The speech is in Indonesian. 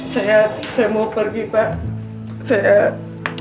saya mau pergi pak